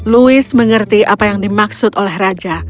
louis mengerti apa yang dimaksud oleh raja